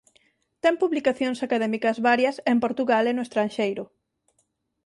Ten publicacións académicas varias en Portugal e no estranxeiro.